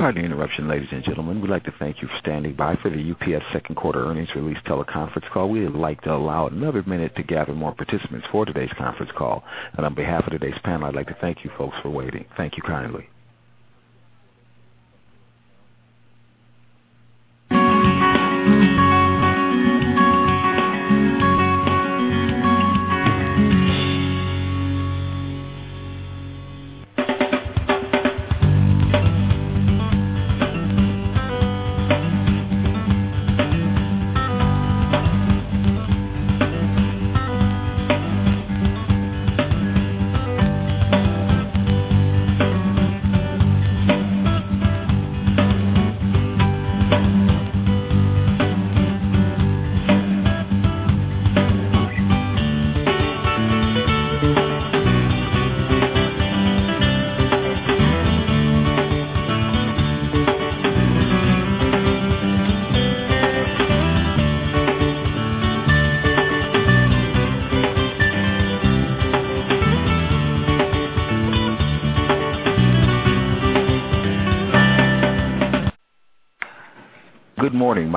Pardon the interruption, ladies and gentlemen. We'd like to thank you for standing by for the UPS second quarter earnings release teleconference call. We would like to allow another minute to gather more participants for today's conference call, and on behalf of today's panel, I'd like to thank you folks for waiting. Thank you kindly.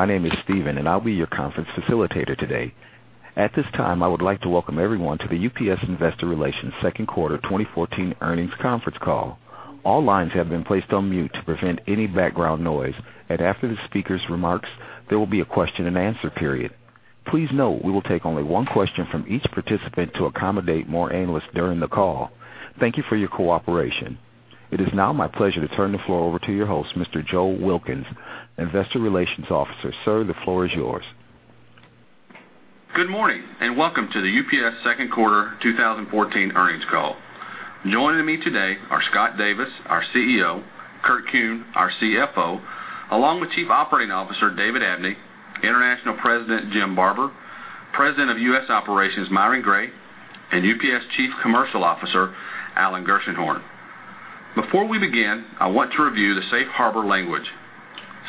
Good morning. My name is Steven, and I'll be your conference facilitator today. At this time, I would like to welcome everyone to the UPS Investor Relations second quarter 2014 earnings conference call. All lines have been placed on mute to prevent any background noise, and after the speaker's remarks, there will be a question-and-answer period. Please note, we will take only one question from each participant to accommodate more analysts during the call. Thank you for your cooperation. It is now my pleasure to turn the floor over to your host, Mr. Joe Wilkins, Investor Relations Officer. Sir, the floor is yours. Good morning, and welcome to the UPS second quarter 2014 earnings call. Joining me today are Scott Davis, our CEO, Kurt Kuehn, our CFO, along with Chief Operating Officer David Abney, International President Jim Barber, President of U.S. Operations Myron Gray, and UPS Chief Commercial Officer Alan Gershenhorn. Before we begin, I want to review the safe harbor language.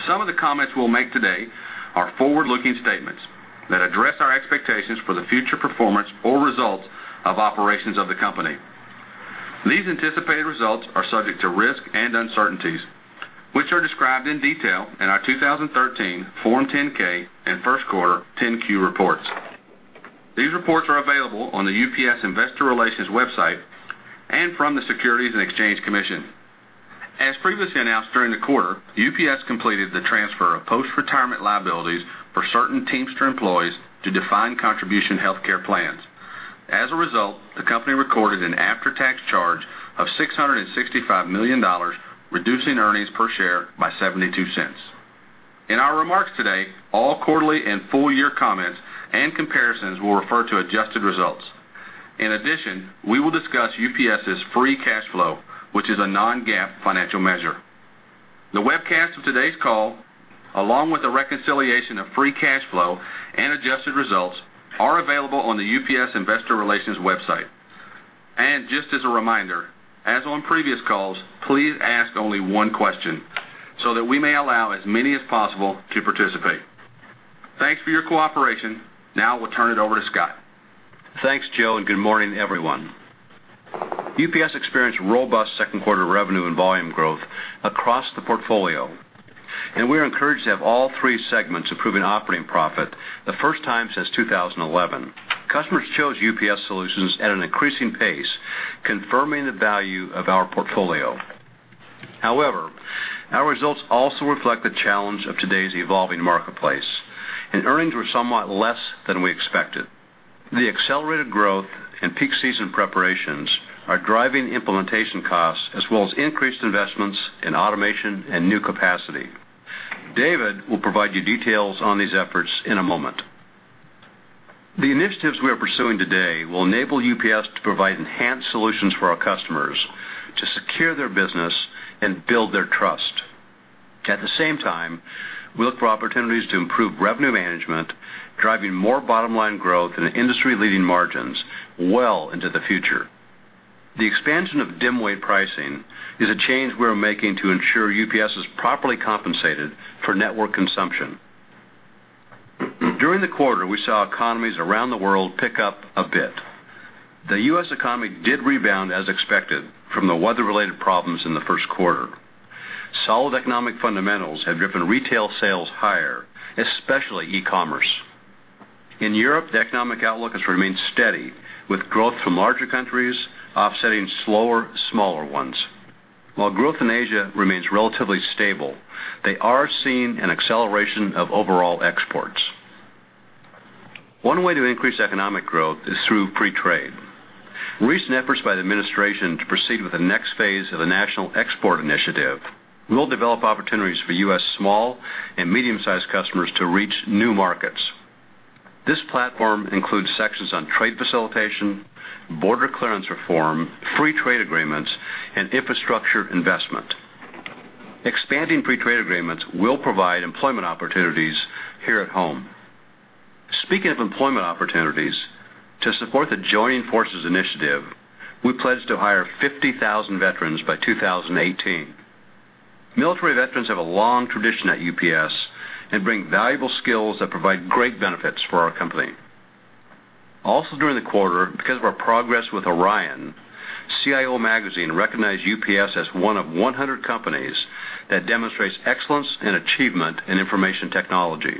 Some of the comments we'll make today are forward-looking statements that address our expectations for the future performance or results of operations of the company. These anticipated results are subject to risks and uncertainties, which are described in detail in our 2013 Form 10-K and first quarter 10-Q reports. These reports are available on the UPS Investor Relations website and from the Securities and Exchange Commission. As previously announced, during the quarter, UPS completed the transfer of post-retirement liabilities for certain Teamster employees to defined contribution healthcare plans. As a result, the company recorded an after-tax charge of $665 million, reducing earnings per share by $0.72. In our remarks today, all quarterly and full-year comments and comparisons will refer to adjusted results. In addition, we will discuss UPS's free cash flow, which is a non-GAAP financial measure. The webcast of today's call, along with a reconciliation of free cash flow and adjusted results, are available on the UPS Investor Relations website. And just as a reminder, as on previous calls, please ask only one question, so that we may allow as many as possible to participate. Thanks for your cooperation. Now we'll turn it over to Scott. Thanks, Joe, and good morning, everyone. UPS experienced robust second quarter revenue and volume growth across the portfolio, and we are encouraged to have all three segments improving operating profit, the first time since 2011. Customers chose UPS solutions at an increasing pace, confirming the value of our portfolio. However, our results also reflect the challenge of today's evolving marketplace, and earnings were somewhat less than we expected. The accelerated growth and peak season preparations are driving implementation costs, as well as increased investments in automation and new capacity. David will provide you details on these efforts in a moment. The initiatives we are pursuing today will enable UPS to provide enhanced solutions for our customers to secure their business and build their trust. At the same time, we look for opportunities to improve revenue management, driving more bottom-line growth and industry-leading margins well into the future. The expansion of dim weight pricing is a change we are making to ensure UPS is properly compensated for network consumption. During the quarter, we saw economies around the world pick up a bit. The U.S. economy did rebound as expected from the weather-related problems in the first quarter. Solid economic fundamentals have driven retail sales higher, especially e-commerce. In Europe, the economic outlook has remained steady, with growth from larger countries offsetting slower, smaller ones. While growth in Asia remains relatively stable, they are seeing an acceleration of overall exports. One way to increase economic growth is through free trade. Recent efforts by the administration to proceed with the next phase of the National Export Initiative will develop opportunities for U.S. small and medium-sized customers to reach new markets. This platform includes sections on trade facilitation, border clearance reform, free trade agreements, and infrastructure investment. Expanding free trade agreements will provide employment opportunities here at home. Speaking of employment opportunities, to support the Joining Forces initiative, we pledged to hire 50,000 veterans by 2018. Military veterans have a long tradition at UPS and bring valuable skills that provide great benefits for our company. Also during the quarter, because of our progress with ORION, CIO Magazine recognized UPS as one of 100 companies that demonstrates excellence and achievement in information technology.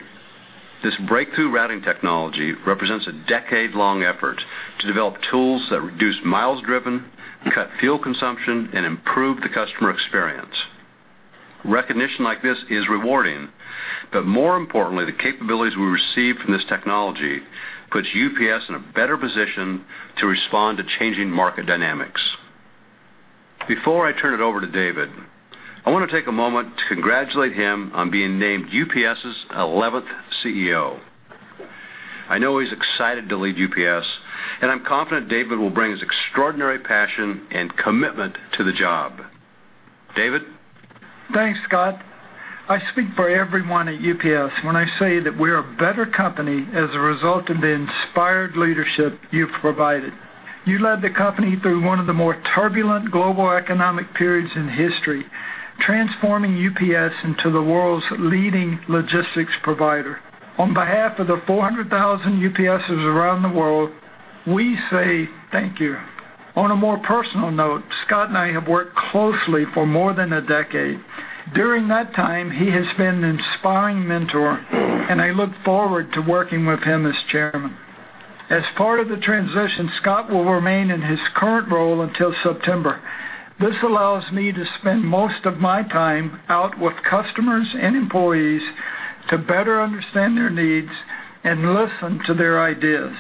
This breakthrough routing technology represents a decade-long effort to develop tools that reduce miles driven, cut fuel consumption, and improve the customer experience. Recognition like this is rewarding, but more importantly, the capabilities we receive from this technology puts UPS in a better position to respond to changing market dynamics. Before I turn it over to David, I want to take a moment to congratulate him on being named UPS's eleventh CEO. I know he's excited to lead UPS, and I'm confident David will bring his extraordinary passion and commitment to the job. David? Thanks, Scott. I speak for everyone at UPS when I say that we're a better company as a result of the inspired leadership you've provided. You led the company through one of the more turbulent global economic periods in history, transforming UPS into the world's leading logistics provider. On behalf of the 400,000 UPSers around the world, we say thank you. On a more personal note, Scott and I have worked closely for more than a decade. During that time, he has been an inspiring mentor, and I look forward to working with him as chairman. As part of the transition, Scott will remain in his current role until September. This allows me to spend most of my time out with customers and employees to better understand their needs and listen to their ideas.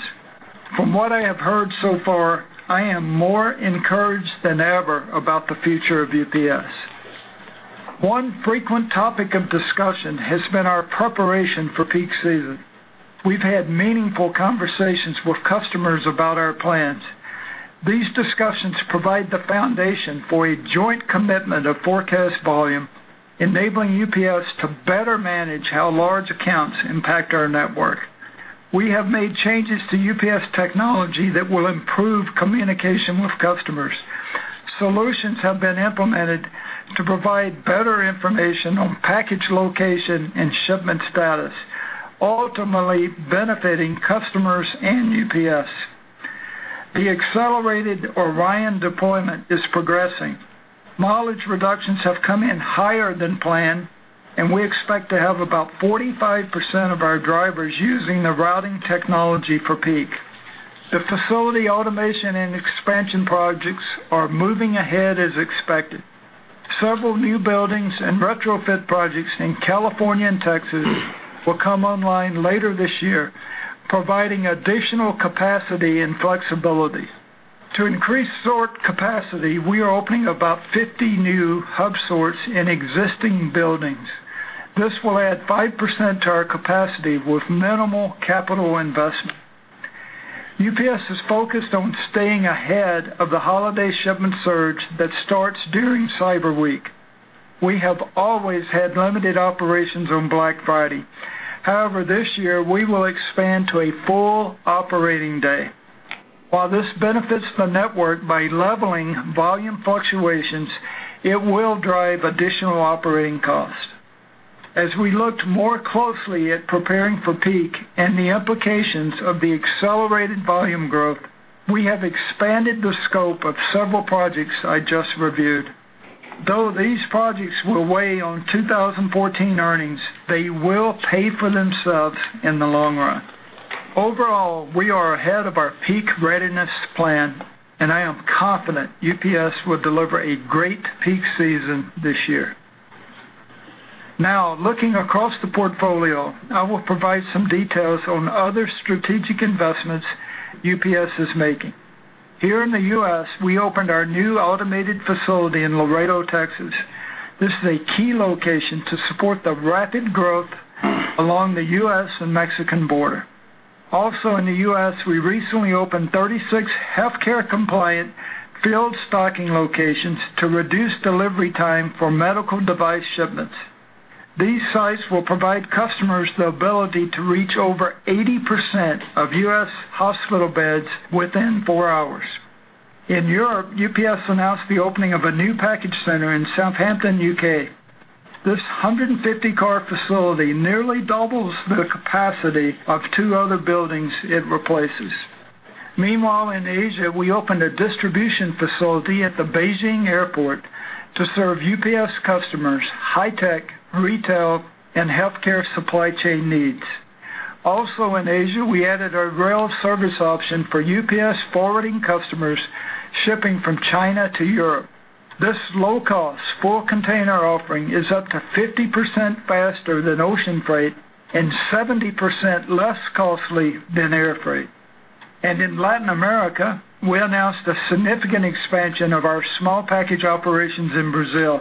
From what I have heard so far, I am more encouraged than ever about the future of UPS. One frequent topic of discussion has been our preparation for peak season. We've had meaningful conversations with customers about our plans. These discussions provide the foundation for a joint commitment of forecast volume, enabling UPS to better manage how large accounts impact our network. We have made changes to UPS technology that will improve communication with customers. Solutions have been implemented to provide better information on package, location, and shipment status, ultimately benefiting customers and UPS. The accelerated Orion deployment is progressing. Mileage reductions have come in higher than planned, and we expect to have about 45% of our drivers using the routing technology for peak. The facility automation and expansion projects are moving ahead as expected. Several new buildings and retrofit projects in California and Texas will come online later this year, providing additional capacity and flexibility. To increase sort capacity, we are opening about 50 new hub sorts in existing buildings. This will add 5% to our capacity with minimal capital investment. UPS is focused on staying ahead of the holiday shipment surge that starts during Cyber Week. We have always had limited operations on Black Friday. However, this year, we will expand to a full operating day. While this benefits the network by leveling volume fluctuations, it will drive additional operating costs. As we looked more closely at preparing for peak and the implications of the accelerated volume growth, we have expanded the scope of several projects I just reviewed. Though these projects will weigh on 2014 earnings, they will pay for themselves in the long run. Overall, we are ahead of our peak readiness plan, and I am confident UPS will deliver a great peak season this year. Now, looking across the portfolio, I will provide some details on other strategic investments UPS is making. Here in the U.S., we opened our new automated facility in Laredo, Texas. This is a key location to support the rapid growth along the U.S. and Mexican border. Also in the U.S., we recently opened 36 healthcare-compliant field stocking locations to reduce delivery time for medical device shipments. These sites will provide customers the ability to reach over 80% of U.S. hospital beds within four hours. In Europe, UPS announced the opening of a new package center in Southampton, U.K. This 150-car facility nearly doubles the capacity of two other buildings it replaces. Meanwhile, in Asia, we opened a distribution facility at the Beijing Airport to serve UPS customers, high tech, retail, and healthcare supply chain needs. Also in Asia, we added a rail service option for UPS forwarding customers shipping from China to Europe. This low-cost full container offering is up to 50% faster than ocean freight and 70% less costly than air freight. And in Latin America, we announced a significant expansion of our small package operations in Brazil.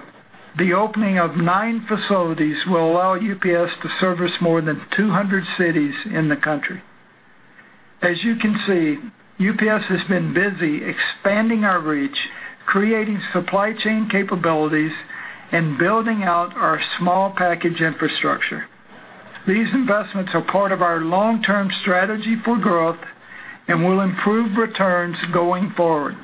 The opening of nine facilities will allow UPS to service more than 200 cities in the country. As you can see, UPS has been busy expanding our reach, creating supply chain capabilities, and building out our small package infrastructure. These investments are part of our long-term strategy for growth and will improve returns going forward...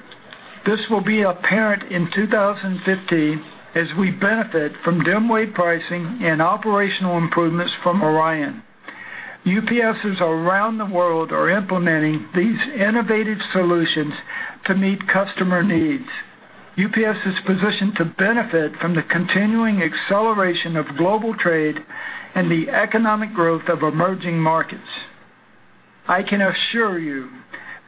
This will be apparent in 2015 as we benefit from dim weight pricing and operational improvements from Orion. UPSers around the world are implementing these innovative solutions to meet customer needs. UPS is positioned to benefit from the continuing acceleration of global trade and the economic growth of emerging markets. I can assure you,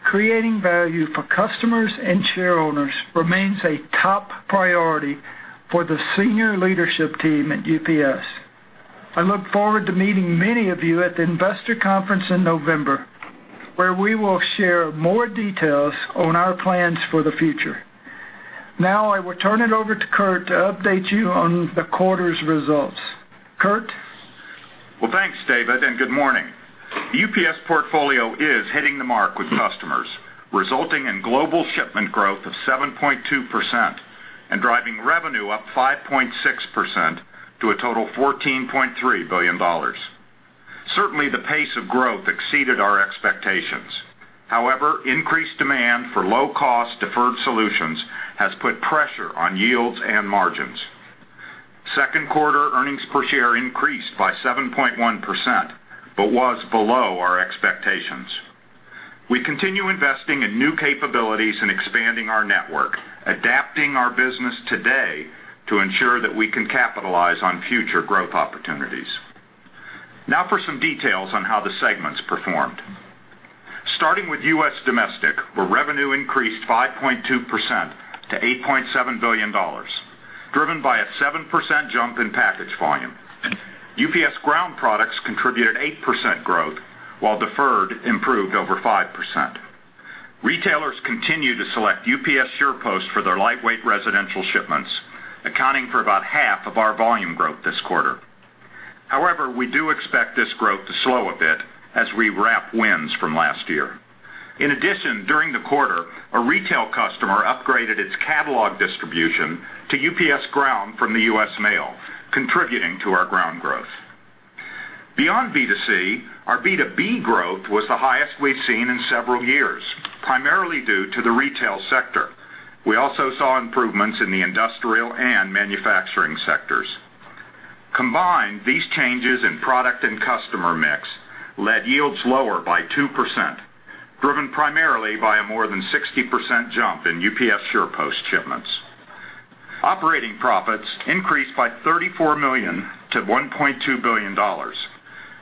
creating value for customers and shareholders remains a top priority for the senior leadership team at UPS. I look forward to meeting many of you at the investor conference in November, where we will share more details on our plans for the future. Now, I will turn it over to Kurt to update you on the quarter's results. Kurt? Well, thanks, David, and good morning. The UPS portfolio is hitting the mark with customers, resulting in global shipment growth of 7.2% and driving revenue up 5.6% to a total $14.3 billion. Certainly, the pace of growth exceeded our expectations. However, increased demand for low-cost deferred solutions has put pressure on yields and margins. Second quarter earnings per share increased by 7.1%, but was below our expectations. We continue investing in new capabilities and expanding our network, adapting our business today to ensure that we can capitalize on future growth opportunities. Now for some details on how the segments performed. Starting with US Domestic, where revenue increased 5.2% to $8.7 billion, driven by a 7% jump in package volume. UPS Ground products contributed 8% growth, while Deferred improved over 5%. Retailers continue to select UPS SurePost for their lightweight residential shipments, accounting for about half of our volume growth this quarter. However, we do expect this growth to slow a bit as we wrap wins from last year. In addition, during the quarter, a retail customer upgraded its catalog distribution to UPS Ground from the US Mail, contributing to our ground growth. Beyond B2C, our B2B growth was the highest we've seen in several years, primarily due to the retail sector. We also saw improvements in the industrial and manufacturing sectors. Combined, these changes in product and customer mix led yields lower by 2%, driven primarily by a more than 60% jump in UPS SurePost shipments. Operating profits increased by $34 million to $1.2 billion,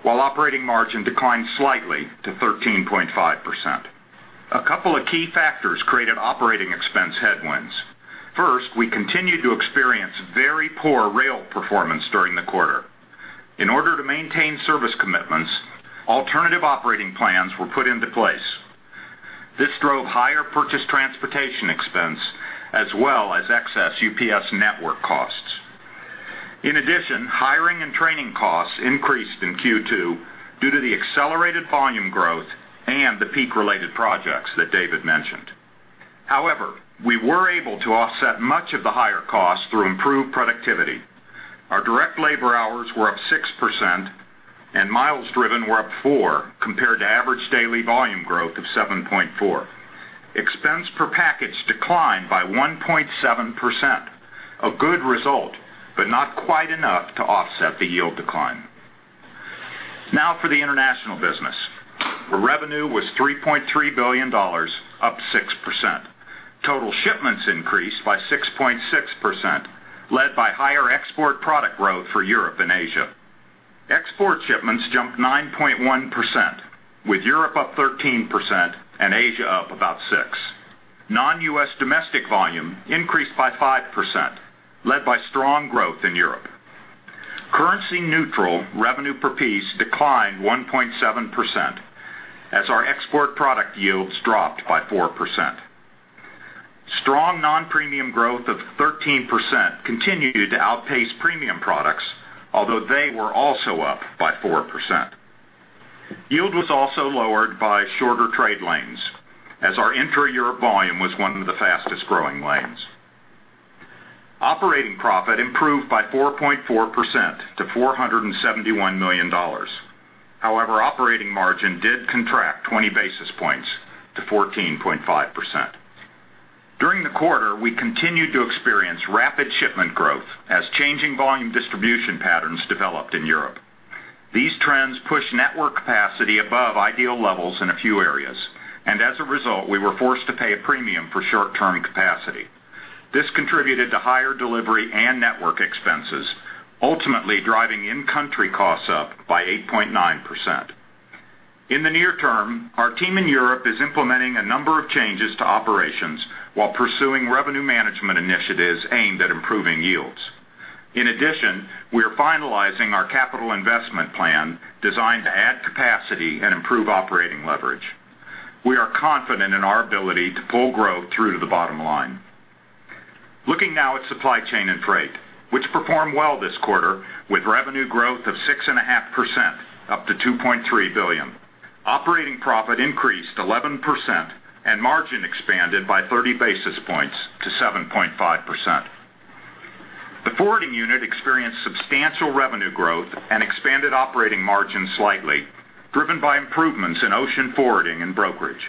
while operating margin declined slightly to 13.5%. A couple of key factors created operating expense headwinds. First, we continued to experience very poor rail performance during the quarter. In order to maintain service commitments, alternative operating plans were put into place. This drove higher purchase transportation expense as well as excess UPS network costs. In addition, hiring and training costs increased in Q2 due to the accelerated volume growth and the peak-related projects that David mentioned. However, we were able to offset much of the higher costs through improved productivity. Our direct labor hours were up 6%, and miles driven were up 4%, compared to average daily volume growth of 7.4. Expense per package declined by 1.7%, a good result, but not quite enough to offset the yield decline. Now for the International business, where revenue was $3.3 billion, up 6%. Total shipments increased by 6.6%, led by higher export product growth for Europe and Asia. Export shipments jumped 9.1%, with Europe up 13% and Asia up about 6%. Non-US domestic volume increased by 5%, led by strong growth in Europe. Currency neutral revenue per piece declined 1.7%, as our export product yields dropped by 4%. Strong non-premium growth of 13% continued to outpace premium products, although they were also up by 4%. Yield was also lowered by shorter trade lanes, as our intra-Europe volume was one of the fastest-growing lanes. Operating profit improved by 4.4% to $471 million. However, operating margin did contract 20 basis points to 14.5%. During the quarter, we continued to experience rapid shipment growth as changing volume distribution patterns developed in Europe. These trends pushed network capacity above ideal levels in a few areas, and as a result, we were forced to pay a premium for short-term capacity. This contributed to higher delivery and network expenses, ultimately driving in-country costs up by 8.9%. In the near term, our team in Europe is implementing a number of changes to operations while pursuing revenue management initiatives aimed at improving yields. In addition, we are finalizing our capital investment plan designed to add capacity and improve operating leverage. We are confident in our ability to pull growth through to the bottom line. Looking now at Supply Chain and Freight, which performed well this quarter with revenue growth of 6.5%, up to $2.3 billion. Operating profit increased 11%, and margin expanded by 30 basis points to 7.5%. The forwarding unit experienced substantial revenue growth and expanded operating margins slightly, driven by improvements in ocean forwarding and brokerage.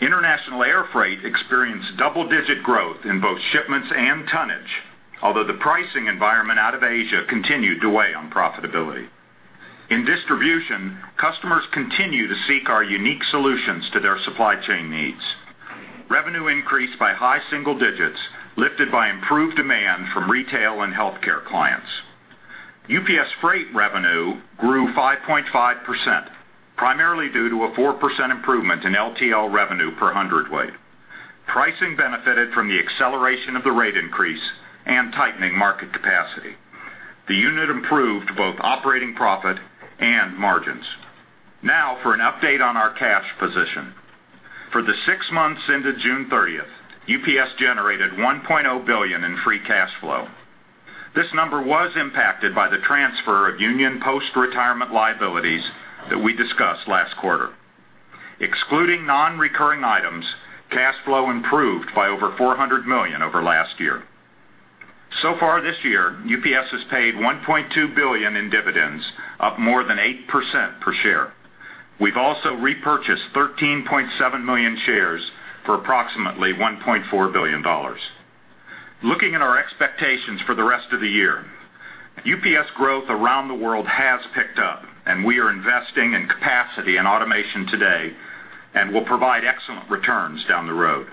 International air freight experienced double-digit growth in both shipments and tonnage, although the pricing environment out of Asia continued to weigh on profitability. In distribution, customers continue to seek our unique solutions to their supply chain needs. Revenue increased by high single digits, lifted by improved demand from retail and healthcare clients. UPS Freight revenue grew 5.5%, primarily due to a 4% improvement in LTL revenue per hundredweight. Pricing benefited from the acceleration of the rate increase and tightening market capacity. The unit improved both operating profit and margins. Now for an update on our cash position. For the six months ended June 30th, UPS generated $1.0 billion in free cash flow. This number was impacted by the transfer of union post-retirement liabilities that we discussed last quarter. Excluding non-recurring items, cash flow improved by over $400 million over last year. So far this year, UPS has paid $1.2 billion in dividends, up more than 8% per share. We've also repurchased 13.7 million shares for approximately $1.4 billion. Looking at our expectations for the rest of the year, UPS growth around the world has picked up, and we are investing in capacity and automation today, and will provide excellent returns down the road.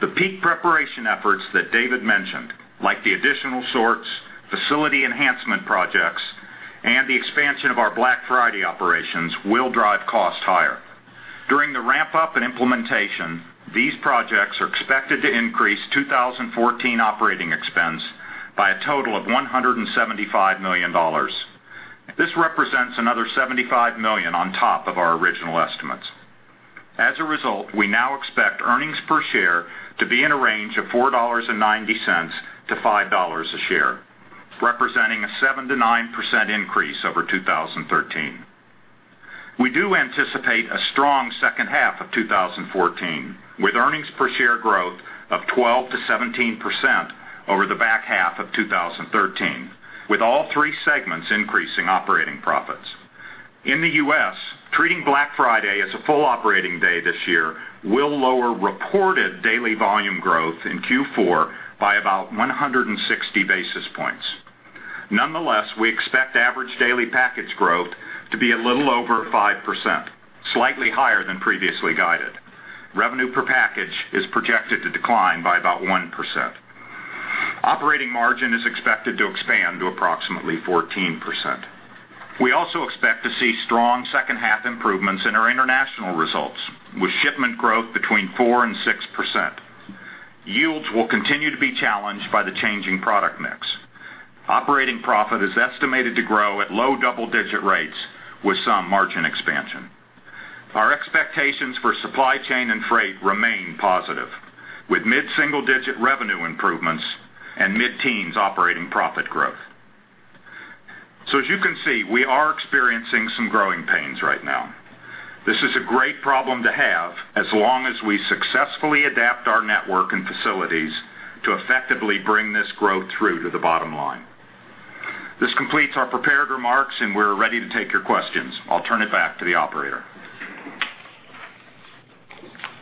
The peak preparation efforts that David mentioned, like the additional sorts, facility enhancement projects, and the expansion of our Black Friday operations, will drive costs higher. During the ramp-up and implementation, these projects are expected to increase 2014 operating expense by a total of $175 million. This represents another $75 million on top of our original estimates. As a result, we now expect earnings per share to be in a range of $4.90 to $5 a share, representing a 7%-9% increase over 2013. We do anticipate a strong second half of 2014, with earnings per share growth of 12% to 17% over the back half of 2013, with all three segments increasing operating profits. In the US, treating Black Friday as a full operating day this year will lower reported daily volume growth in Q4 by about 160 basis points. Nonetheless, we expect average daily package growth to be a little over 5%, slightly higher than previously guided. Revenue per package is projected to decline by about 1%. Operating margin is expected to expand to approximately 14%. We also expect to see strong second-half improvements in our international results, with shipment growth between 4% and 6%. Yields will continue to be challenged by the changing product mix. Operating profit is estimated to grow at low double-digit rates with some margin expansion. Our expectations for supply chain and freight remain positive, with mid-single-digit revenue improvements and mid-teens operating profit growth. So as you can see, we are experiencing some growing pains right now. This is a great problem to have, as long as we successfully adapt our network and facilities to effectively bring this growth through to the bottom line. This completes our prepared remarks, and we're ready to take your questions. I'll turn it back to the operator.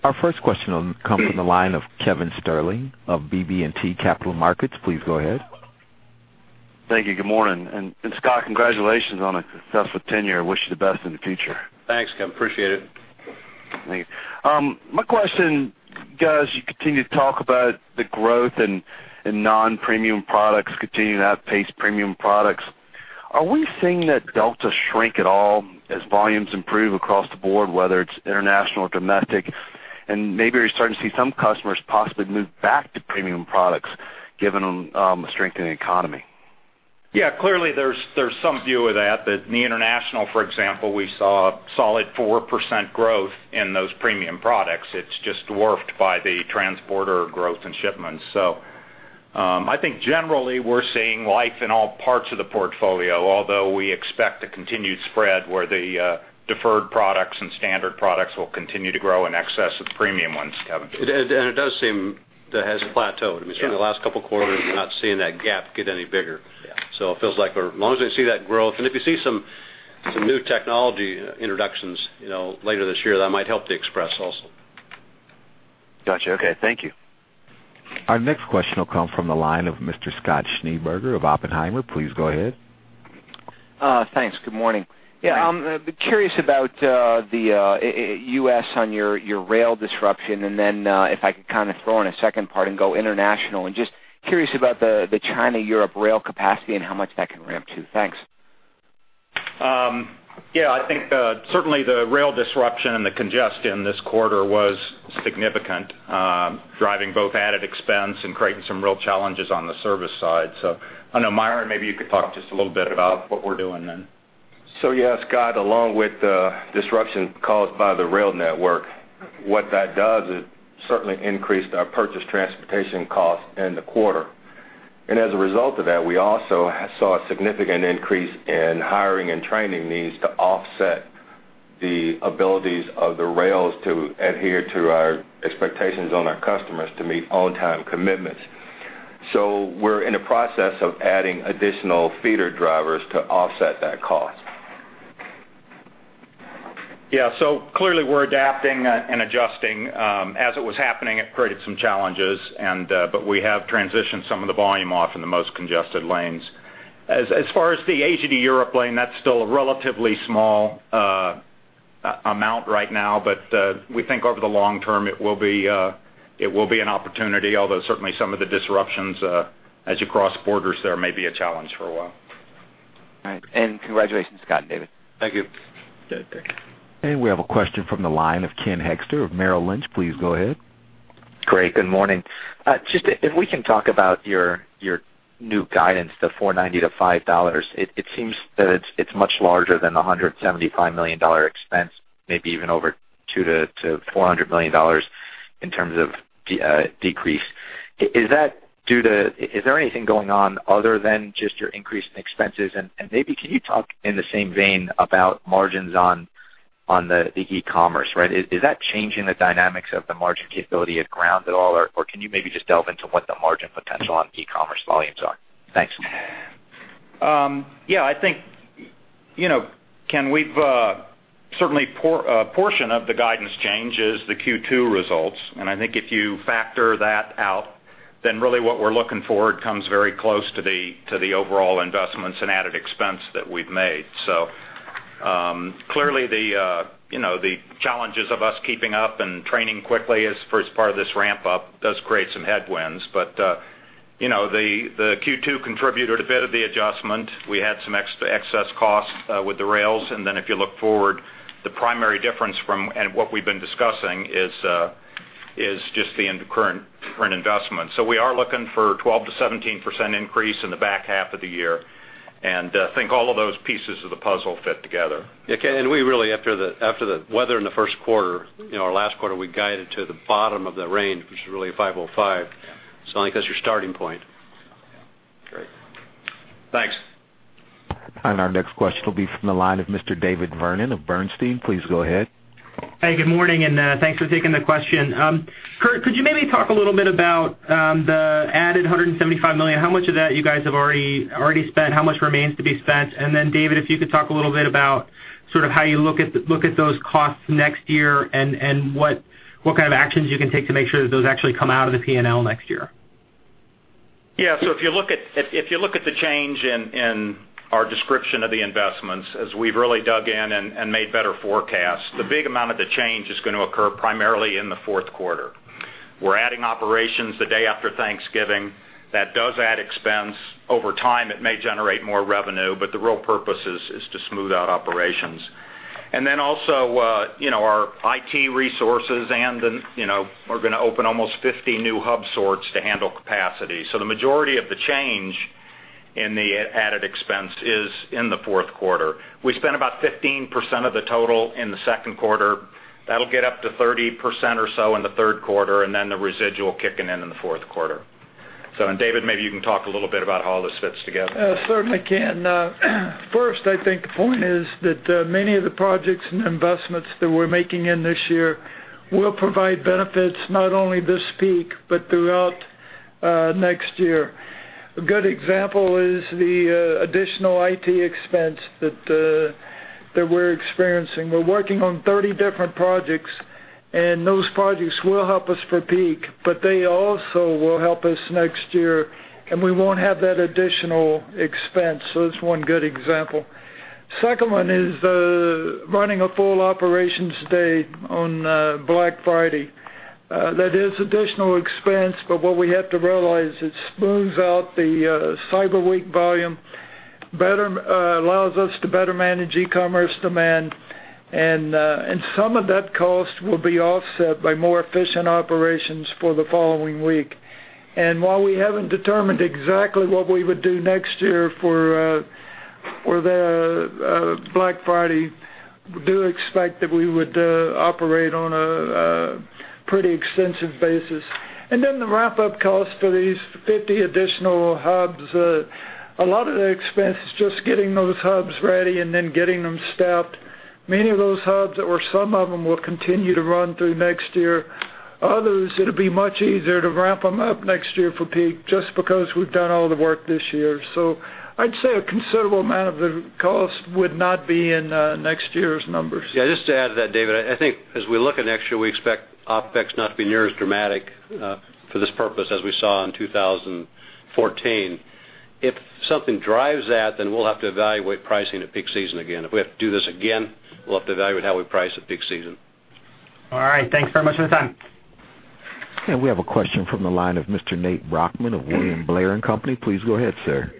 Our first question will come from the line of Kevin Sterling of BB&T Capital Markets. Please go ahead. Thank you. Good morning. And Scott, congratulations on a successful tenure. I wish you the best in the future. Thanks, Kevin. Appreciate it. My question, guys, you continue to talk about the growth in non-premium products continuing to outpace premium products. Are we seeing that delta shrink at all as volumes improve across the board, whether it's international or domestic? And maybe you're starting to see some customers possibly move back to premium products, given the strengthening economy. Yeah, clearly, there's some view of that. That in the international, for example, we saw solid 4% growth in those premium products. It's just dwarfed by the transborder growth and shipments. So, I think generally, we're seeing life in all parts of the portfolio, although we expect a continued spread where the deferred products and standard products will continue to grow in excess of premium ones, Kevin. And it does seem that has plateaued. Yeah. I mean, certainly the last couple of quarters, we're not seeing that gap get any bigger. Yeah. It feels like, as long as we see that growth, and if you see some new technology introductions, you know, later this year, that might help the Express also. Gotcha. Okay. Thank you. Our next question will come from the line of Mr. Scott Schneeberger of Oppenheimer. Please go ahead. Thanks. Good morning. Yeah, I'm curious about the U.S. on your rail disruption, and then if I could kind of throw in a second part and go international. And just curious about the China-Europe rail capacity and how much that can ramp, too. Thanks. Yeah, I think, certainly the rail disruption and the congestion this quarter was significant, driving both added expense and creating some real challenges on the service side. So I know, Myron, maybe you could talk just a little bit about what we're doing then. So, yes, Scott, along with the disruption caused by the rail network, what that does is certainly increased our purchase transportation costs in the quarter. And as a result of that, we also saw a significant increase in hiring and training needs to offset... the abilities of the rails to adhere to our expectations on our customers to meet on-time commitments. So we're in a process of adding additional feeder drivers to offset that cost. Yeah, so clearly, we're adapting and adjusting. As it was happening, it created some challenges, and, but we have transitioned some of the volume off in the most congested lanes. As far as the Asia to Europe lane, that's still a relatively small amount right now, but, we think over the long term, it will be, it will be an opportunity, although certainly some of the disruptions, as you cross borders, there may be a challenge for a while. All right. Congratulations, Scott and David. Thank you. Yeah, thank you. We have a question from the line of Ken Hoexter of Merrill Lynch. Please go ahead. Great. Good morning. Just if we can talk about your, your new guidance, the $4.90 to$5, it, it seems that it's, it's much larger than the $175 million dollar expense, maybe even over $200 million to $400 million dollars in terms of decrease. Is that due to, is there anything going on other than just your increase in expenses? And, and maybe can you talk in the same vein about margins on, on the, the e-commerce, right? Is, is that changing the dynamics of the margin capability at Ground at all? Or, or can you maybe just delve into what the margin potential on e-commerce volumes are? Thanks. Yeah, I think, you know, Ken, we've certainly a portion of the guidance change is the Q2 results. And I think if you factor that out, then really what we're looking for comes very close to the, to the overall investments and added expense that we've made. So, clearly, the, you know, the challenges of us keeping up and training quickly as first part of this ramp-up does create some headwinds. But, you know, the, the Q2 contributed a bit of the adjustment. We had some excess costs with the rails, and then if you look forward, the primary difference from, and what we've been discussing, is just the current, current investment. We are looking for 12%-17% increase in the back half of the year, and think all of those pieces of the puzzle fit together. Yeah, Ken, and we really, after the, after the weather in the first quarter, you know, our last quarter, we guided to the bottom of the range, which is really $505. Yeah. So I think that's your starting point. Yeah. Great. Thanks. Our next question will be from the line of Mr. David Vernon of Bernstein. Please go ahead. Hey, good morning, and thanks for taking the question. Kurt, could you maybe talk a little bit about the added $175 million? How much of that you guys have already spent? How much remains to be spent? And then, David, if you could talk a little bit about sort of how you look at those costs next year and what kind of actions you can take to make sure that those actually come out of the PNL next year. Yeah, so if you look at the change in our description of the investments, as we've really dug in and made better forecasts, the big amount of the change is going to occur primarily in the fourth quarter. We're adding operations the day after Thanksgiving. That does add expense. Over time, it may generate more revenue, but the real purpose is to smooth out operations. And then also, you know, our IT resources and then, you know, we're going to open almost 50 new hub sorts to handle capacity. So the majority of the change in the added expense is in the fourth quarter. We spent about 15% of the total in the second quarter. That'll get up to 30% or so in the third quarter, and then the residual kicking in in the fourth quarter. David, maybe you can talk a little bit about how this fits together. I certainly can. First, I think the point is that many of the projects and investments that we're making in this year will provide benefits not only this peak, but throughout next year. A good example is the additional IT expense that we're experiencing. We're working on 30 different projects, and those projects will help us for peak, but they also will help us next year, and we won't have that additional expense. So that's one good example. Second one is running a full operations day on Black Friday. That is additional expense, but what we have to realize, it smooths out the Cyber Week volume better, allows us to better manage e-commerce demand, and some of that cost will be offset by more efficient operations for the following week. While we haven't determined exactly what we would do next year for the Black Friday, we do expect that we would operate on a pretty extensive basis. Then the wrap-up cost for these 50 additional hubs, a lot of the expense is just getting those hubs ready and then getting them staffed. Many of those hubs, or some of them, will continue to run through next year. Others, it'll be much easier to ramp them up next year for peak, just because we've done all the work this year. So I'd say a considerable amount of the cost would not be in next year's numbers. Yeah, just to add to that, David, I think as we look at next year, we expect OpEx not to be near as dramatic, for this purpose as we saw in 2014. If something drives that, then we'll have to evaluate pricing at peak season again. If we have to do this again, we'll have to evaluate how we price at peak season. All right. Thanks very much for the time. We have a question from the line of Mr. Nate Brochmann of William Blair & Company. Please go ahead, sir.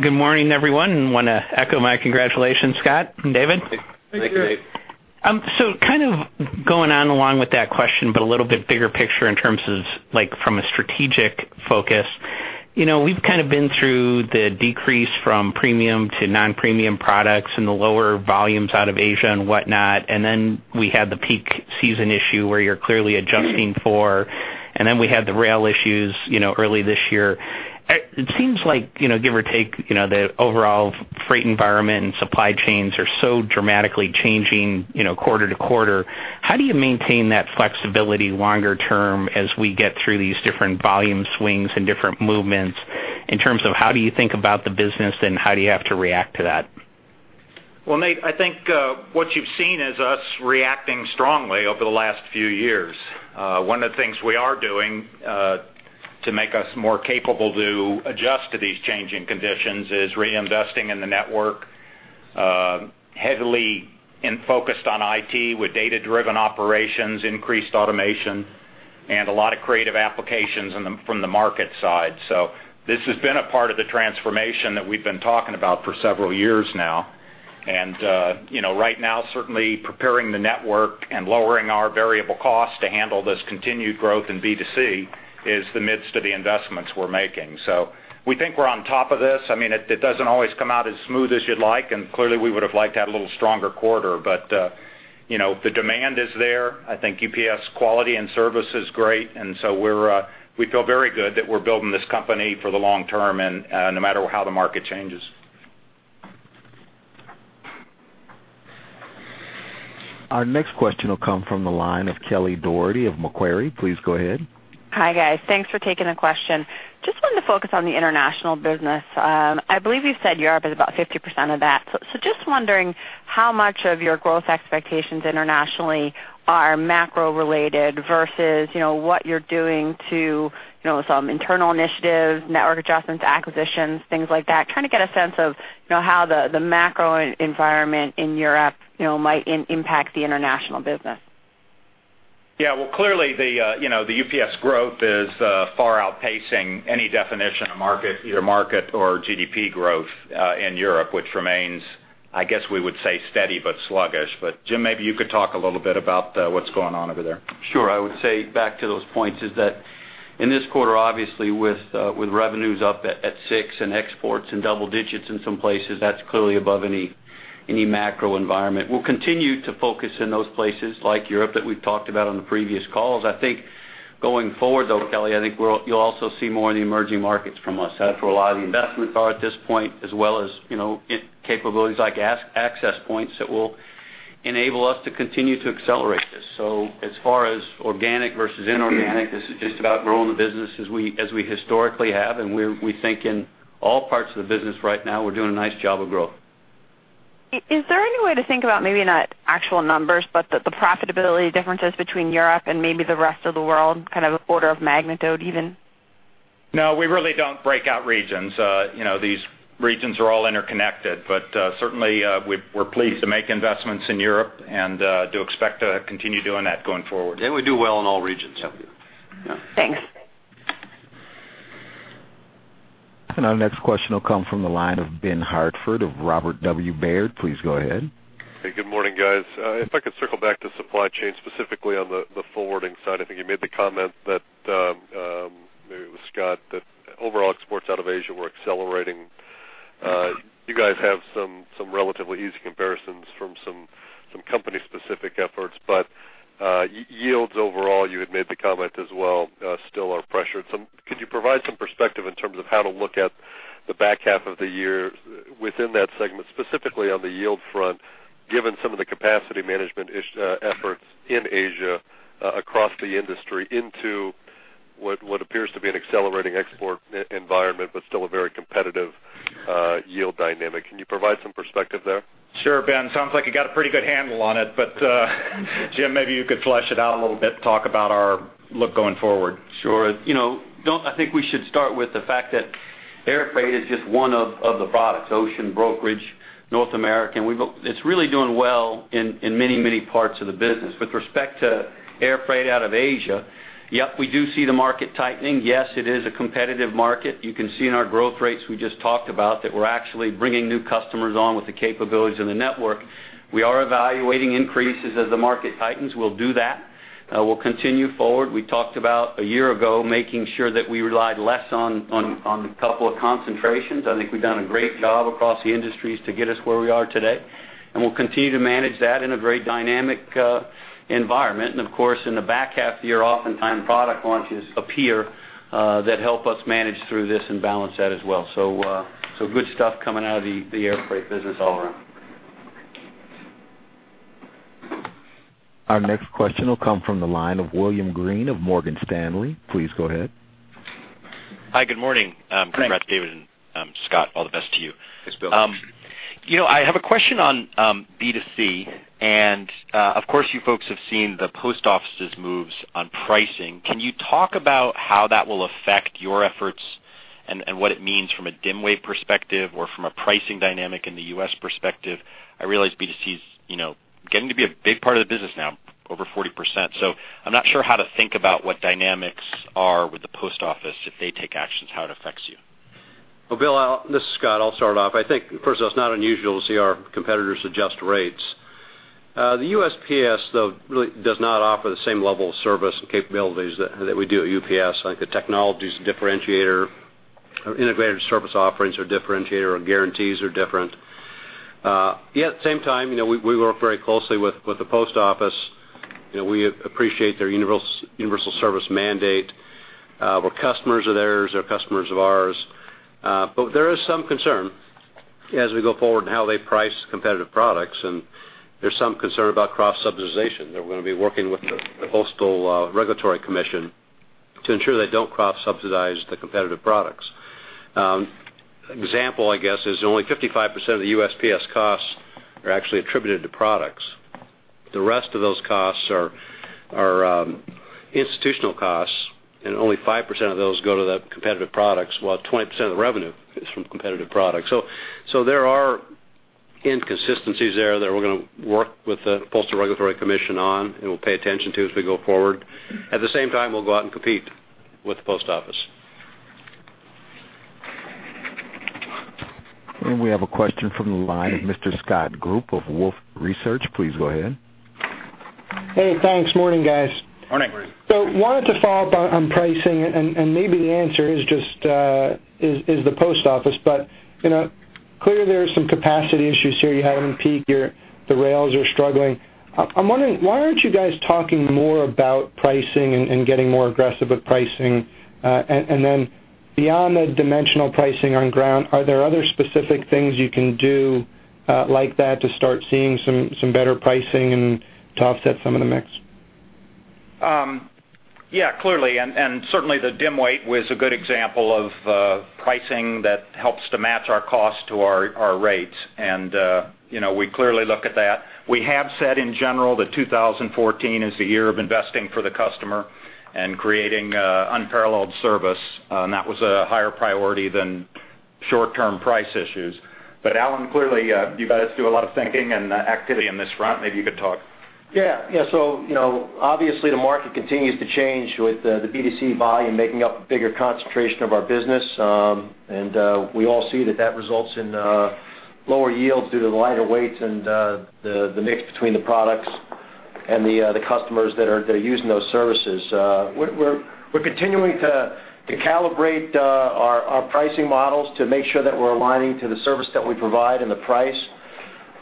Good morning, everyone. I want to echo my congratulations, Scott and David. Thank you, Nate. Thank you, Nate. So kind of going on along with that question, but a little bit bigger picture in terms of, like, from a strategic focus. You know, we've kind of been through the decrease from premium to non-premium products and the lower volumes out of Asia and whatnot, and then we had the peak season issue, where you're clearly adjusting for, and then we had the rail issues, you know, early this year. ... It seems like, you know, give or take, you know, the overall freight environment and supply chains are so dramatically changing, you know, quarter to quarter. How do you maintain that flexibility longer term as we get through these different volume swings and different movements in terms of how do you think about the business and how do you have to react to that? Well, Nate, I think, what you've seen is us reacting strongly over the last few years. One of the things we are doing, to make us more capable to adjust to these changing conditions is reinvesting in the network, heavily and focused on IT with data-driven operations, increased automation, and a lot of creative applications in the—from the market side. So this has been a part of the transformation that we've been talking about for several years now. And, you know, right now, certainly preparing the network and lowering our variable costs to handle this continued growth in B2C is the midst of the investments we're making. So we think we're on top of this. I mean, it doesn't always come out as smooth as you'd like, and clearly, we would have liked to have a little stronger quarter, but, you know, the demand is there. I think UPS quality and service is great, and so we're, we feel very good that we're building this company for the long term, and, no matter how the market changes. Our next question will come from the line of Kelly Dougherty of Macquarie. Please go ahead. Hi, guys. Thanks for taking the question. Just wanted to focus on the international business. I believe you said Europe is about 50% of that. So, so just wondering how much of your growth expectations internationally are macro related versus, you know, what you're doing to, you know, some internal initiatives, network adjustments, acquisitions, things like that. Trying to get a sense of, you know, how the, the macro environment in Europe, you know, might impact the international business. Yeah, well, clearly, the you know the UPS growth is far outpacing any definition of market, either market or GDP growth, in Europe, which remains, I guess, we would say, steady but sluggish. But, Jim, maybe you could talk a little bit about what's going on over there. Sure. I would say back to those points is that in this quarter, obviously, with revenues up at 6 and exports in double digits in some places, that's clearly above any macro environment. We'll continue to focus in those places like Europe that we've talked about on the previous calls. I think going forward, though, Kelly, I think we'll, you'll also see more in the emerging markets from us. That's where a lot of the investments are at this point, as well as, you know, capabilities like access points that will enable us to continue to accelerate this. So as far as organic versus inorganic, this is just about growing the business as we historically have, and we think in all parts of the business right now, we're doing a nice job of growth. Is there any way to think about maybe not actual numbers, but the profitability differences between Europe and maybe the rest of the world, kind of order of magnitude, even? No, we really don't break out regions. You know, these regions are all interconnected, but certainly, we're pleased to make investments in Europe, and do expect to continue doing that going forward. We do well in all regions. Yeah. Thanks. Our next question will come from the line of Ben Hartford of Robert W. Baird. Please go ahead. Hey, good morning, guys. If I could circle back to supply chain, specifically on the forwarding side. I think you made the comment that maybe it was Scott, that overall exports out of Asia were accelerating. You guys have some relatively easy comparisons from some company-specific efforts, but yields overall, you had made the comment as well, still are pressured. So could you provide some perspective in terms of how to look at the back half of the year within that segment, specifically on the yield front, given some of the capacity management efforts in Asia, across the industry, into what appears to be an accelerating export environment, but still a very competitive yield dynamic? Can you provide some perspective there? Sure, Ben. Sounds like you got a pretty good handle on it, but, Jim, maybe you could flesh it out a little bit, talk about our look going forward. Sure. You know, I think we should start with the fact that air freight is just one of the products, ocean brokerage, North American. It's really doing well in many, many parts of the business. With respect to air freight out of Asia, yep, we do see the market tightening. Yes, it is a competitive market. You can see in our growth rates, we just talked about, that we're actually bringing new customers on with the capabilities of the network. We are evaluating increases as the market tightens. We'll do that. We'll continue forward. We talked about a year ago, making sure that we relied less on the couple of concentrations. I think we've done a great job across the industries to get us where we are today, and we'll continue to manage that in a very dynamic environment. Of course, in the back half of the year, oftentimes product launches appear that help us manage through this and balance that as well. So, so good stuff coming out of the air freight business all around. Our next question will come from the line of William Greene of Morgan Stanley. Please go ahead. Hi, good morning. Hi. Congrats, David and Scott. All the best to you. Thanks, Bill. You know, I have a question on B2C, and of course, you folks have seen the post office's moves on pricing. Can you talk about how that will affect your efforts and what it means from a dim weight perspective or from a pricing dynamic in the U.S. perspective? I realize B2C is, you know, getting to be a big part of the business now, over 40%. So I'm not sure how to think about what dynamics are with the post office, if they take actions, how it affects you. Well, Bill, this is Scott. I'll start off. I think, first of all, it's not unusual to see our competitors adjust rates. The USPS, though, really does not offer the same level of service and capabilities that we do at UPS. Like, the technology is a differentiator, our integrated service offerings are differentiator, our guarantees are different. Yet at the same time, you know, we work very closely with the Post Office. You know, we appreciate their universal service mandate. We're customers of theirs, they're customers of ours. But there is some concern as we go forward in how they price competitive products, and there's some concern about cross-subsidization, that we're gonna be working with the Postal Regulatory Commission, to ensure they don't cross-subsidize the competitive products. Example, I guess, is only 55% of the USPS costs are actually attributed to products. The rest of those costs are institutional costs, and only 5% of those go to the competitive products, while 20% of the revenue is from competitive products. So there are inconsistencies there that we're gonna work with the Postal Regulatory Commission on and we'll pay attention to as we go forward. At the same time, we'll go out and compete with the Post Office. We have a question from the line of Mr. Scott Group of Wolfe Research. Please go ahead. Hey, thanks. Morning, guys. Morning! So wanted to follow up on pricing, and maybe the answer is just the Post Office. But, you know, clearly, there are some capacity issues here. You have them in peak, your rails are struggling. I'm wondering, why aren't you guys talking more about pricing and getting more aggressive with pricing? And then beyond the dimensional pricing on ground, are there other specific things you can do, like that, to start seeing some better pricing and to offset some of the mix? Yeah, clearly, and, and certainly, the dim weight was a good example of pricing that helps to match our costs to our, our rates. And, you know, we clearly look at that. We have said, in general, that 2014 is the year of investing for the customer and creating unparalleled service, and that was a higher priority than short-term price issues. But Alan, clearly, you guys do a lot of thinking and activity on this front. Maybe you could talk. Yeah. Yeah. So, you know, obviously, the market continues to change with the B2C volume making up a bigger concentration of our business. And we all see that that results in lower yields due to the lighter weights and the mix between the products and the customers that are using those services. We're continuing to calibrate our pricing models to make sure that we're aligning to the service that we provide and the price.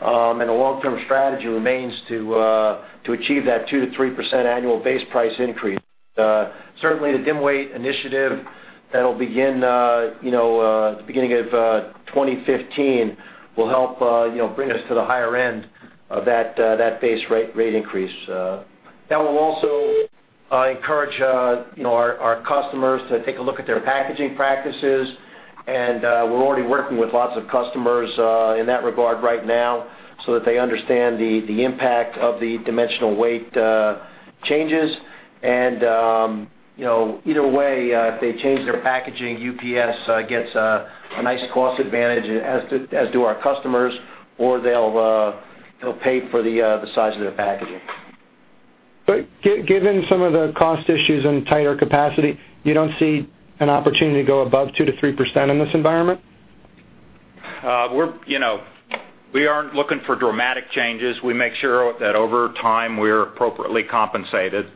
And the long-term strategy remains to achieve that 2%-3% annual base price increase. Certainly, the dim weight initiative that'll begin you know the beginning of 2015 will help you know bring us to the higher end of that base rate increase. That will also encourage, you know, our customers to take a look at their packaging practices, and we're already working with lots of customers in that regard right now so that they understand the impact of the dimensional weight changes. And, you know, either way, if they change their packaging, UPS gets a nice cost advantage as do our customers, or they'll pay for the size of their packaging. But given some of the cost issues and tighter capacity, you don't see an opportunity to go above 2%-3% in this environment? You know, we aren't looking for dramatic changes. We make sure that over time, we're appropriately compensated.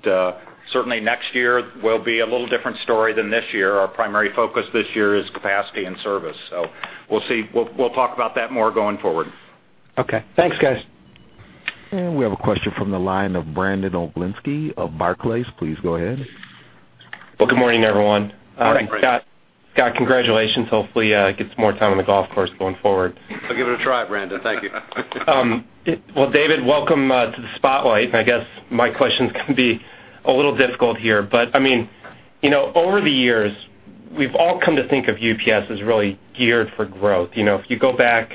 Certainly, next year will be a little different story than this year. Our primary focus this year is capacity and service. So we'll see. We'll talk about that more going forward. Okay. Thanks, guys. We have a question from the line of Brandon Oglenski of Barclays. Please go ahead. Well, good morning, everyone. Morning, Brandon. Scott, Scott, congratulations. Hopefully, you get some more time on the golf course going forward. I'll give it a try, Brandon. Thank you. Well, David, welcome to the spotlight. I guess my questions can be a little difficult here. But I mean, you know, over the years, we've all come to think of UPS as really geared for growth. You know, if you go back,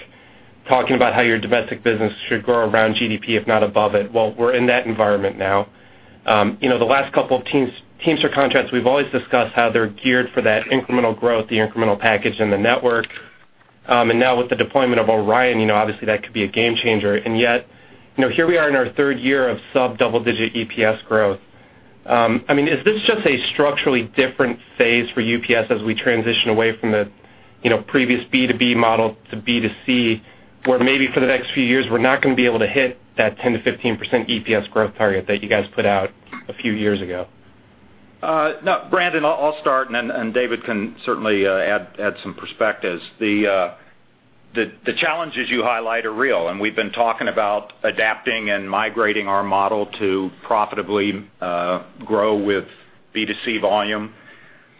talking about how your domestic business should grow around GDP, if not above it, well, we're in that environment now. You know, the last couple of Teamster Contracts, we've always discussed how they're geared for that incremental growth, the incremental package in the network. And now with the deployment of Orion, you know, obviously, that could be a game changer. And yet, you know, here we are in our third year of sub-double-digit EPS growth. I mean, is this just a structurally different phase for UPS as we transition away from the, you know, previous B2B model to B2C, where maybe for the next few years, we're not gonna be able to hit that 10%-15% EPS growth target that you guys put out a few years ago? No, Brandon, I'll start, and then David can certainly add some perspectives. The challenges you highlight are real, and we've been talking about adapting and migrating our model to profitably grow with B2C volume.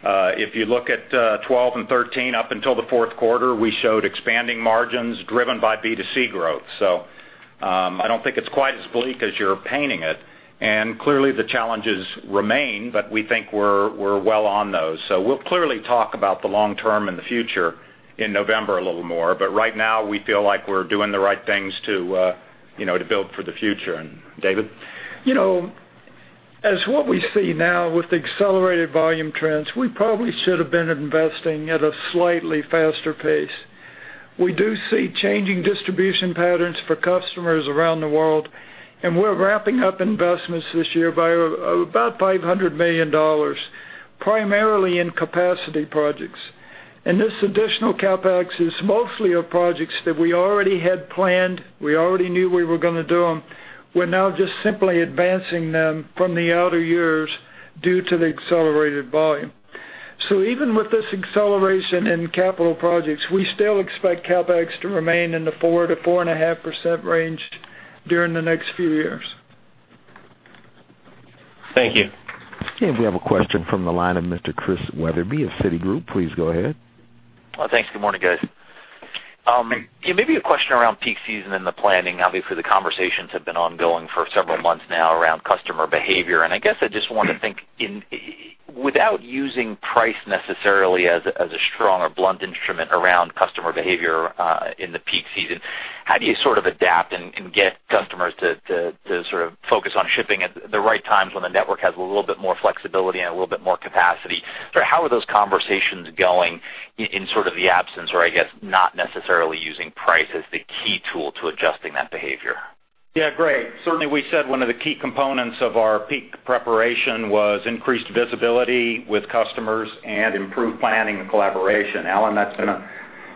If you look at 2012 and 2013, up until the fourth quarter, we showed expanding margins driven by B2C growth. So, I don't think it's quite as bleak as you're painting it. And clearly, the challenges remain, but we think we're well on those. So we'll clearly talk about the long term and the future in November a little more, but right now, we feel like we're doing the right things to, you know, build for the future. And David? You know, as what we see now with the accelerated volume trends, we probably should have been investing at a slightly faster pace. We do see changing distribution patterns for customers around the world, and we're ramping up investments this year by about $500 million, primarily in capacity projects. And this additional CapEx is mostly of projects that we already had planned. We already knew we were gonna do them. We're now just simply advancing them from the outer years due to the accelerated volume.... So even with this acceleration in capital projects, we still expect CapEx to remain in the 4%-4.5% range during the next few years. Thank you. We have a question from the line of Mr. Chris Wetherbee of Citigroup. Please go ahead. Well, thanks. Good morning, guys. Yeah, maybe a question around peak season and the planning. Obviously, the conversations have been ongoing for several months now around customer behavior. I guess I just want to think in, without using price necessarily as a strong or blunt instrument around customer behavior, in the peak season, how do you sort of adapt and get customers to sort of focus on shipping at the right times when the network has a little bit more flexibility and a little bit more capacity? So how are those conversations going in sort of the absence, or I guess, not necessarily using price as the key tool to adjusting that behavior? Yeah, great. Certainly, we said one of the key components of our peak preparation was increased visibility with customers and improved planning and collaboration. Alan, that's gonna,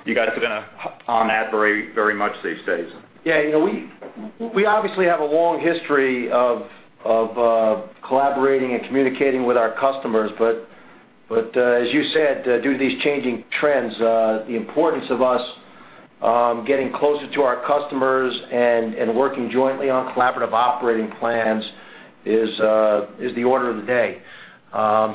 you guys are gonna on that very, very much these days. Yeah, you know, we obviously have a long history of collaborating and communicating with our customers. But as you said, due to these changing trends, the importance of us getting closer to our customers and working jointly on collaborative operating plans is the order of the day.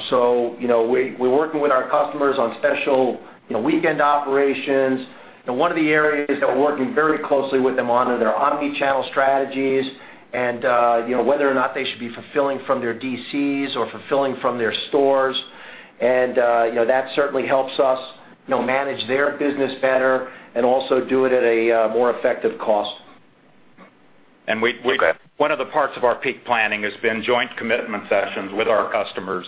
So you know, we're working with our customers on special weekend operations. And one of the areas that we're working very closely with them on are their omni-channel strategies, and you know, whether or not they should be fulfilling from their DCs or fulfilling from their stores. And you know, that certainly helps us you know, manage their business better and also do it at a more effective cost. And we Okay. One of the parts of our peak planning has been joint commitment sessions with our customers.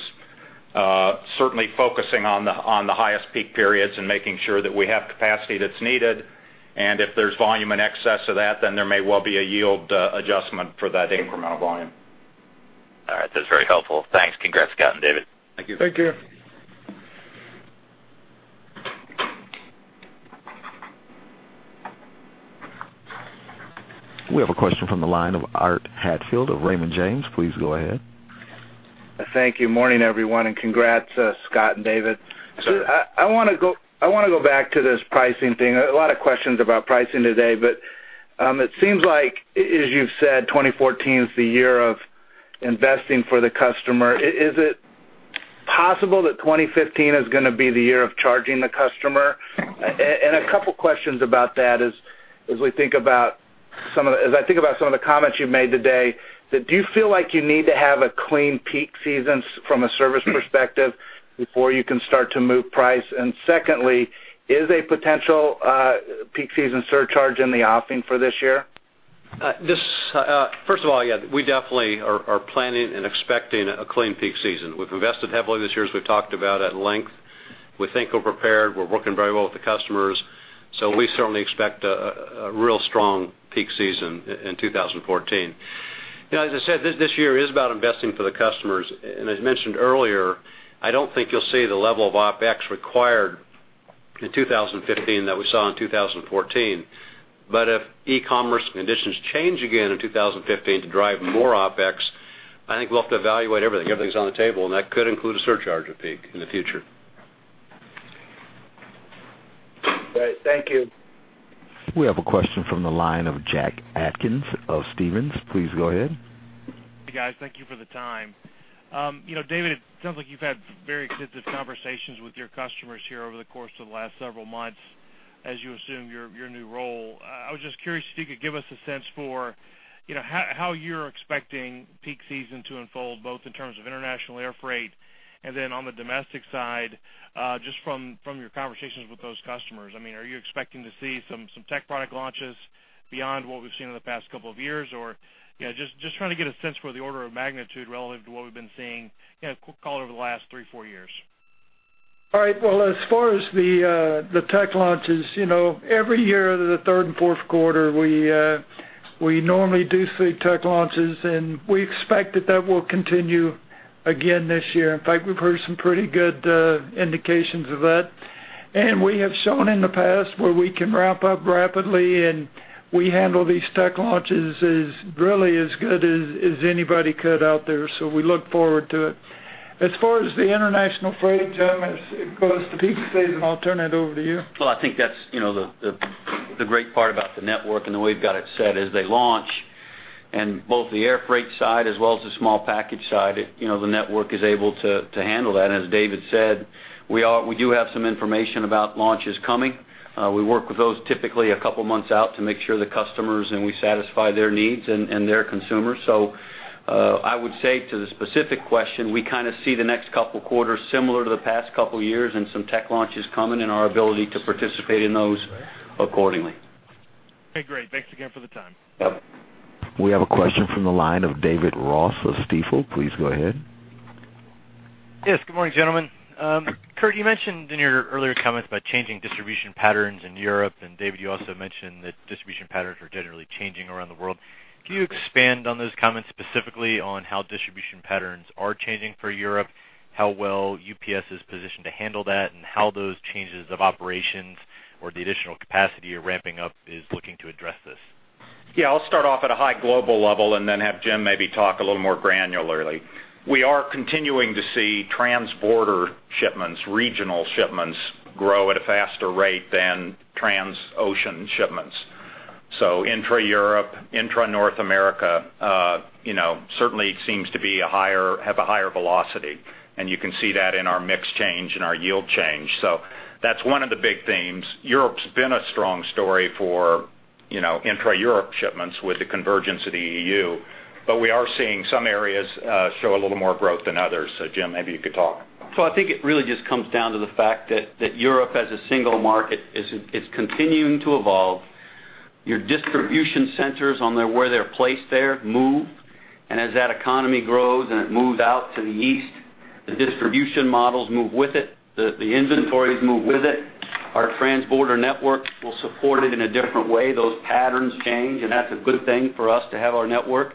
Certainly focusing on the highest peak periods and making sure that we have capacity that's needed. If there's volume in excess of that, then there may well be a yield adjustment for that incremental volume. All right, that's very helpful. Thanks. Congrats, Scott and David. Thank you. Thank you. We have a question from the line of Art Hatfield of Raymond James. Please go ahead. Thank you. Morning, everyone, and congrats, Scott and David. So I, I wanna go, I wanna go back to this pricing thing. A lot of questions about pricing today, but it seems like, as you've said, 2014 is the year of investing for the customer. Is it possible that 2015 is gonna be the year of charging the customer? And a couple questions about that is, as we think about some of the—as I think about some of the comments you've made today, that do you feel like you need to have a clean peak season from a service perspective before you can start to move price? And secondly, is a potential peak season surcharge in the offing for this year? First of all, yeah, we definitely are planning and expecting a clean peak season. We've invested heavily this year, as we've talked about at length. We think we're prepared. We're working very well with the customers, so we certainly expect a real strong peak season in 2014. You know, as I said, this year is about investing for the customers. As mentioned earlier, I don't think you'll see the level of OpEx required in 2015 that we saw in 2014. But if e-commerce conditions change again in 2015 to drive more OpEx, I think we'll have to evaluate everything. Everything's on the table, and that could include a surcharge of peak in the future. Great. Thank you. We have a question from the line of Jack Atkins of Stephens. Please go ahead. Hey, guys. Thank you for the time. You know, David, it sounds like you've had very extensive conversations with your customers here over the course of the last several months as you assume your new role. I was just curious if you could give us a sense for, you know, how you're expecting peak season to unfold, both in terms of international air freight, and then on the domestic side, just from your conversations with those customers. I mean, are you expecting to see some tech product launches beyond what we've seen in the past couple of years? Or, you know, just trying to get a sense for the order of magnitude relative to what we've been seeing, you know, call it, over the last 3, 4 years. All right. Well, as far as the tech launches, you know, every year, the third and fourth quarter, we normally do see tech launches, and we expect that that will continue again this year. In fact, we've heard some pretty good indications of that. And we have shown in the past where we can ramp up rapidly, and we handle these tech launches as really as good as anybody could out there. So we look forward to it. As far as the international freight, John, as it goes to peak season, I'll turn it over to you. Well, I think that's, you know, the great part about the network and the way we've got it set as they launch. And both the air freight side as well as the small package side, you know, the network is able to handle that. And as David said, we do have some information about launches coming. We work with those typically a couple of months out to make sure the customers, and we satisfy their needs and their consumers. So, I would say to the specific question, we kind of see the next couple quarters similar to the past couple of years, and some tech launches coming, and our ability to participate in those accordingly. Okay, great. Thanks again for the time. Yep. We have a question from the line of David Ross of Stifel. Please go ahead. Yes, good morning, gentlemen. Kurt, you mentioned in your earlier comments about changing distribution patterns in Europe, and David, you also mentioned that distribution patterns are generally changing around the world. Can you expand on those comments, specifically on how distribution patterns are changing for Europe, how well UPS is positioned to handle that, and how those changes of operations or the additional capacity you're ramping up is looking to address this? ...Yeah, I'll start off at a high global level and then have Jim maybe talk a little more granularly. We are continuing to see transborder shipments, regional shipments, grow at a faster rate than transocean shipments. So intra-Europe, intra-North America, you know, certainly seems to be a higher, have a higher velocity, and you can see that in our mix change and our yield change. So that's one of the big themes. Europe's been a strong story for, you know, intra-Europe shipments with the convergence of the EU, but we are seeing some areas show a little more growth than others. So Jim, maybe you could talk. So I think it really just comes down to the fact that, that Europe, as a single market, is, is continuing to evolve. Your distribution centers on there, where they're placed there, move. And as that economy grows and it moves out to the east, the distribution models move with it, the, the inventories move with it. Our transborder network will support it in a different way. Those patterns change, and that's a good thing for us to have our network.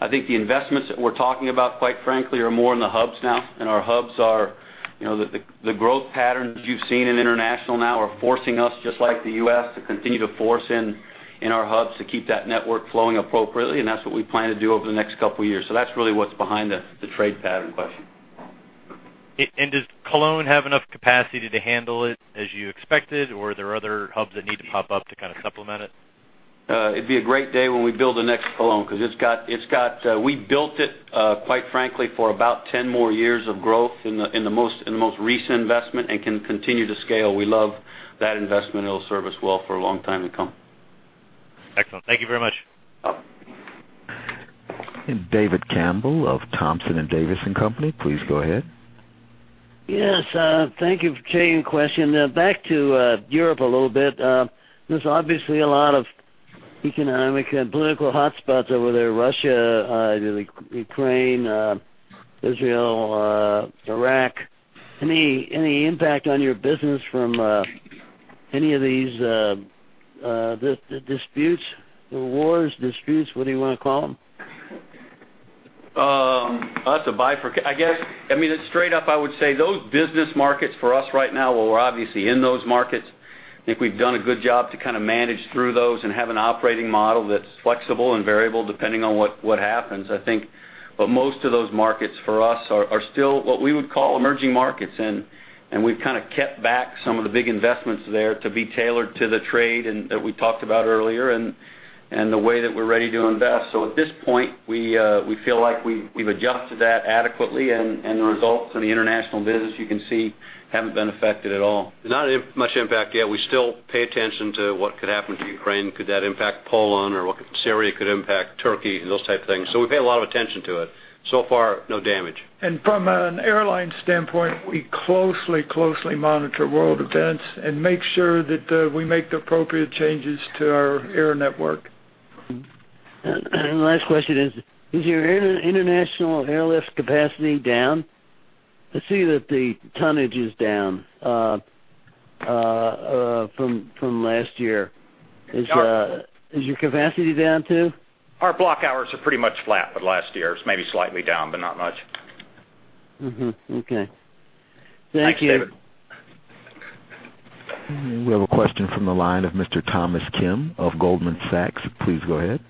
I think the investments that we're talking about, quite frankly, are more in the hubs now, and our hubs are, you know, the, the growth patterns you've seen in international now are forcing us, just like the U.S., to continue to force in, in our hubs to keep that network flowing appropriately, and that's what we plan to do over the next couple of years. That's really what's behind the trade pattern question. Does Cologne have enough capacity to handle it as you expected, or are there other hubs that need to pop up to kind of supplement it? It'd be a great day when we build the next Cologne, 'cause it's got, we built it, quite frankly, for about 10 more years of growth in the most recent investment, and can continue to scale. We love that investment. It'll serve us well for a long time to come. Excellent. Thank you very much. You're welcome. David Campbell of Thompson Davis & Co., please go ahead. Yes, thank you for taking the question. Back to Europe a little bit. There's obviously a lot of economic and political hotspots over there, Russia, the Ukraine, Israel, Iraq. Any impact on your business from any of these disputes, or wars, disputes, what do you want to call them? I guess, I mean, it's straight up, I would say, those business markets for us right now, where we're obviously in those markets. I think we've done a good job to kind of manage through those and have an operating model that's flexible and variable, depending on what happens. I think, but most of those markets for us are still what we would call emerging markets, and we've kind of kept back some of the big investments there to be tailored to the trade and that we talked about earlier, and the way that we're ready to invest. So at this point, we feel like we've adjusted that adequately, and the results in the international business, you can see, haven't been affected at all. Not much impact yet. We still pay attention to what could happen to Ukraine. Could that impact Poland? Or what, Syria could impact Turkey, and those type of things. So we pay a lot of attention to it. So far, no damage. From an airline standpoint, we closely, closely monitor world events and make sure that we make the appropriate changes to our air network. Last question is, is your international airlift capacity down? I see that the tonnage is down from last year. Is your capacity down, too? Our block hours are pretty much flat with last year's, maybe slightly down, but not much. Mm-hmm. Okay. Thank you. Thanks, David. We have a question from the line of Mr. Thomas Kim of Goldman Sachs. Please go ahead.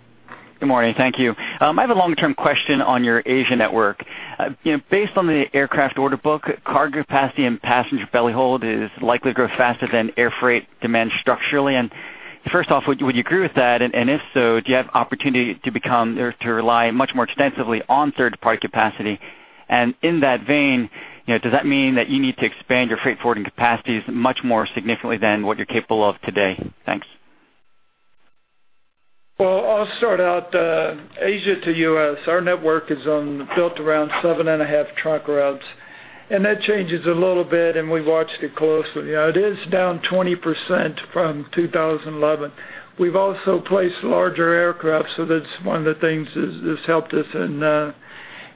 Good morning. Thank you. I have a long-term question on your Asia network. You know, based on the aircraft order book, cargo capacity and passenger belly hold is likely to grow faster than air freight demand structurally. And first off, would you agree with that? And if so, do you have opportunity to become or to rely much more extensively on third-party capacity? And in that vein, you know, does that mean that you need to expand your freight forwarding capacities much more significantly than what you're capable of today? Thanks. Well, I'll start out, Asia to US, our network is built around 7.5 trunk routes, and that changes a little bit, and we watched it closely. It is down 20% from 2011. We've also placed larger aircraft, so that's one of the things that's helped us in that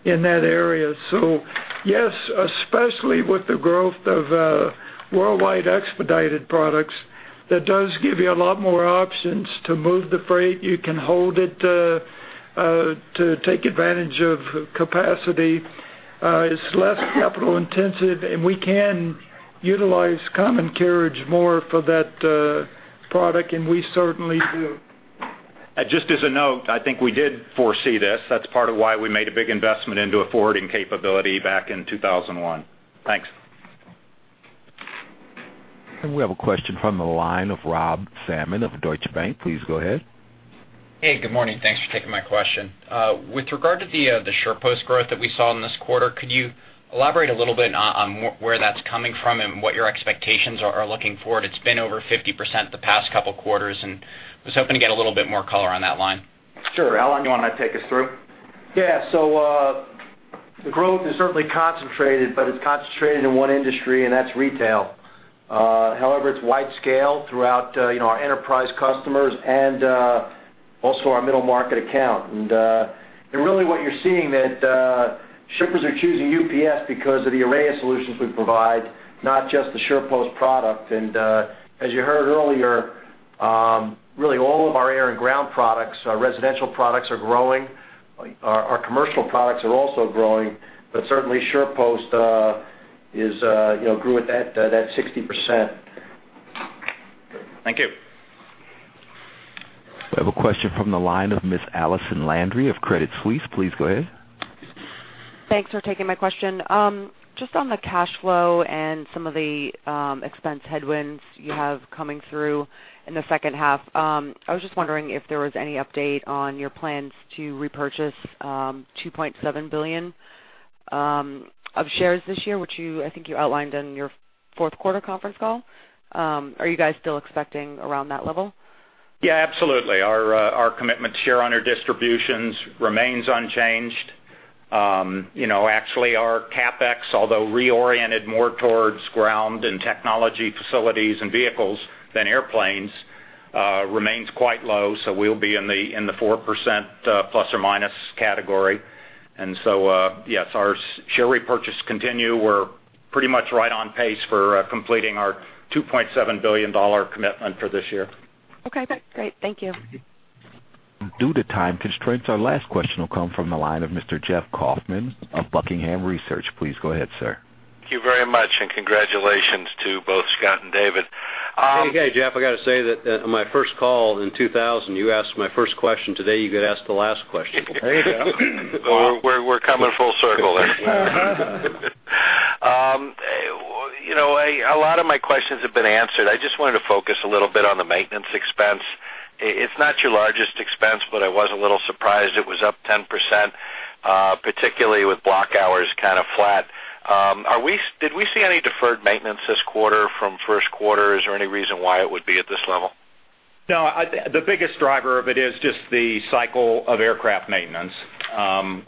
area. So yes, especially with the growth of Worldwide Expedited products, that does give you a lot more options to move the freight. You can hold it to take advantage of capacity. It's less capital intensive, and we can utilize common carriage more for that product, and we certainly do. Just as a note, I think we did foresee this. That's part of why we made a big investment into a forwarding capability back in 2001. Thanks. We have a question from the line of Rob Salmon of Deutsche Bank. Please go ahead. Hey, good morning. Thanks for taking my question. With regard to the SurePost growth that we saw in this quarter, could you elaborate a little bit on where that's coming from and what your expectations are looking forward? It's been over 50% the past couple quarters, and I was hoping to get a little bit more color on that line. Sure. Alan, you want to take us through? Yeah. So, the growth is certainly concentrated, but it's concentrated in one industry, and that's retail. However, it's wide scale throughout, you know, our enterprise customers and also our middle market account. And really what you're seeing that shippers are choosing UPS because of the array of solutions we provide, not just the SurePost product. And as you heard earlier, really all of our air and ground products, our residential products are growing. Our commercial products are also growing, but certainly SurePost.... is, you know, grew at that, that 60%. Thank you. We have a question from the line of Ms. Allison Landry of Credit Suisse. Please go ahead. Thanks for taking my question. Just on the cash flow and some of the expense headwinds you have coming through in the second half, I was just wondering if there was any update on your plans to repurchase $2.7 billion of shares this year, which you—I think you outlined in your fourth quarter conference call. Are you guys still expecting around that level? Yeah, absolutely. Our our commitment share on our distributions remains unchanged. You know, actually, our CapEx, although reoriented more towards ground and technology facilities and vehicles than airplanes, remains quite low, so we'll be in the 4% ± category. And so, yes, our share repurchases continue. We're pretty much right on pace for completing our $2.7 billion commitment for this year. Okay, great. Thank you. Due to time constraints, our last question will come from the line of Mr. Jeff Kauffman of Buckingham Research. Please go ahead, sir. Thank you very much, and congratulations to both Scott and David. Hey, Jeff, I got to say that, my first call in 2000, you asked my first question. Today, you get to ask the last question. There you go. We're coming full circle. You know, a lot of my questions have been answered. I just wanted to focus a little bit on the maintenance expense. It's not your largest expense, but I was a little surprised it was up 10%, particularly with block hours kind of flat. Did we see any deferred maintenance this quarter from first quarter? Is there any reason why it would be at this level? No, the biggest driver of it is just the cycle of aircraft maintenance.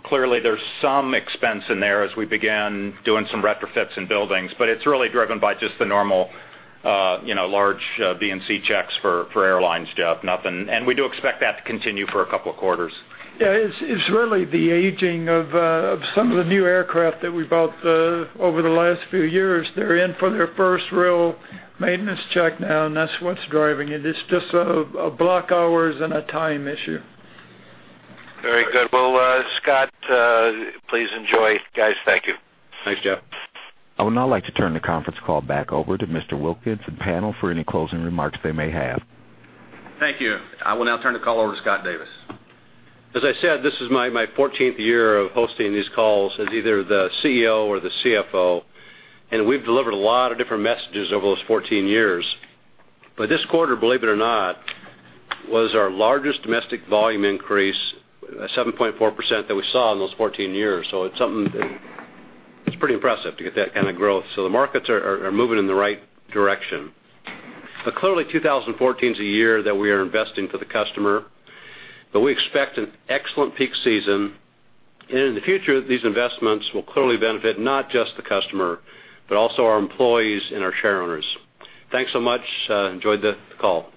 Clearly, there's some expense in there as we began doing some retrofits and buildings, but it's really driven by just the normal, you know, large DNC checks for, for airlines, Jeff, nothing... We do expect that to continue for a couple of quarters. Yeah, it's really the aging of some of the new aircraft that we bought over the last few years. They're in for their first real maintenance check now, and that's what's driving it. It's just a block hours and a time issue. Very good. Well, Scott, please enjoy. Guys, thank you. Thanks, Jeff. I would now like to turn the conference call back over to Mr. Wilkins and panel for any closing remarks they may have. Thank you. I will now turn the call over to Scott Davis. As I said, this is my 14th year of hosting these calls as either the CEO or the CFO, and we've delivered a lot of different messages over those 14 years. But this quarter, believe it or not, was our largest domestic volume increase, 7.4%, that we saw in those 14 years. So it's something that... It's pretty impressive to get that kind of growth. So the markets are moving in the right direction. But clearly, 2014 is a year that we are investing for the customer, but we expect an excellent peak season. And in the future, these investments will clearly benefit not just the customer, but also our employees and our shareowners. Thanks so much. Enjoyed the call.